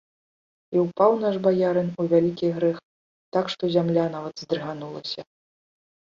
І ўпаў наш баярын у вялікі грэх, так што зямля нават здрыганулася.